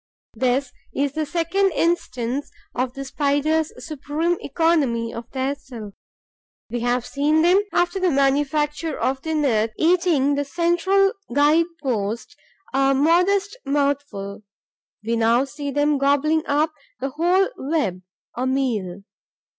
This is the second instance of the Spiders' supreme economy of their silk. We have seen them, after the manufacture of the net, eating the central guide post, a modest mouthful; we now see them gobbling up the whole web, a meal.